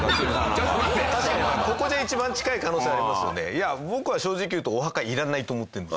いや僕は正直言うとお墓いらないと思ってるんですよ。